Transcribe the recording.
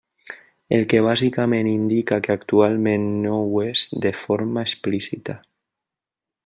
El que bàsicament indica que actualment no ho és de forma explícita.